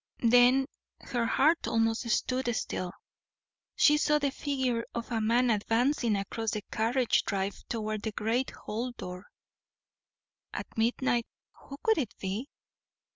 Then her heart almost stood still she saw the figure of a man advancing across the carriage drive toward the great hall door. At midnight. Who could it be?